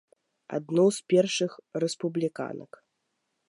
Адну з першых рэспубліканак.